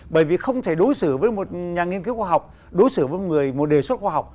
bởi vì không thể đối xử với một nhà nghiên cứu khoa học đối xử với người một đề xuất khoa học